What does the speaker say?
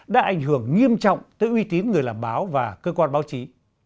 đã ảnh hưởng nghiêm trọng tới uy tín người làm báo và cơ quan báo chí